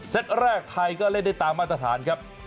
แรกไทยก็เล่นได้ตามมาตรฐานครับ